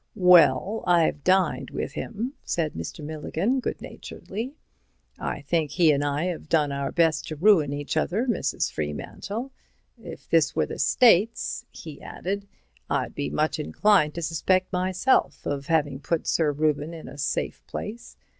"Well, I've dined with him," said Mr. Milligan, good naturedly. "I think he and I've done our best to ruin each other, Mrs. Freemantle. If this were the States," he added, "I'd be much inclined to suspect myself of having put Sir Reuben in a safe place.